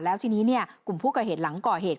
แล้วทีนี้กลุ่มผู้ก่อเหตุหลังก่อเหตุ